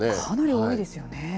かなり多いですよね。